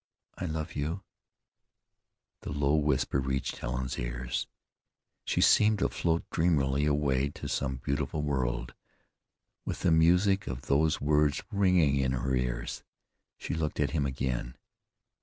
"I love you." The low whisper reached Helen's ears. She seemed to float dreamily away to some beautiful world, with the music of those words ringing in her ears. She looked at him again.